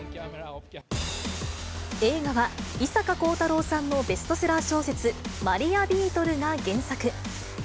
映画は伊坂幸太郎さんのベストセラー小説、マリアビートルが原作。